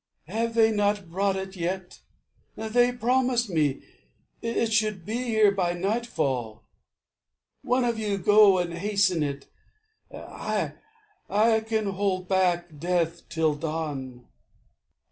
Have they not brought it yet? They promised me It should be here by nightfall. One of you go And hasten it. I can hold back Death till dawn.